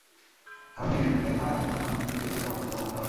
কারণ, মেয়েশিশুটিকে মায়ের মতো মেয়েমানুষ হিসেবে তৈরির যাবতীয় সবক দেওয়া হয়।